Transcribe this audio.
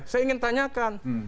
saya ingin tanyakan